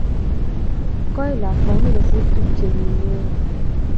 Koi lakwani kosir tupchennyi ne o.